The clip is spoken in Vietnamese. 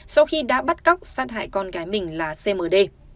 sau khi đã bắt cóc sát hại con gái mình là cmd